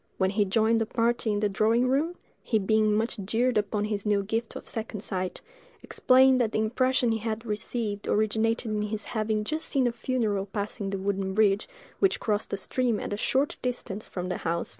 When he joined the party in the drawing room, he being much jeered upon this new gift of second sight, explained that the impression he had received originated in his having just seen a funeral passing the wooden bridge which crossed a stream at a short distance from the house.